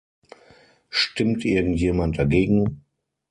Stimmt irgendjemand dagegen?